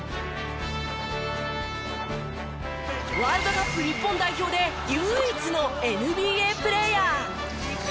ワールドカップ日本代表で唯一のＮＢＡプレーヤー。